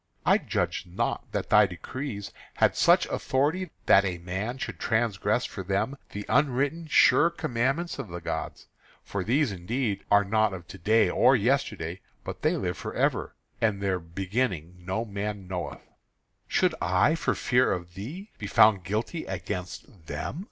I judged not that thy decrees had such authority that a man should transgress for them the unwritten sure commandments of the gods. For these, indeed, are not of to day or yesterday, but they live for ever, and their beginning no man knoweth. Should I, for fear of thee, be found guilty against them?